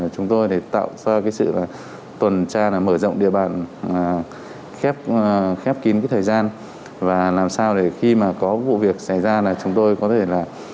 chúng tôi để tạo ra cái sự tuần tra mở rộng địa bàn khép kín thời gian và làm sao để khi mà có vụ việc xảy ra là chúng tôi có thể là